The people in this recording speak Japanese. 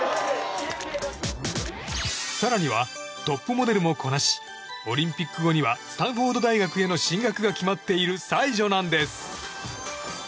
更には、トップモデルもこなしオリンピック後にはスタンフォード大学への進学が決まっている才女なんです。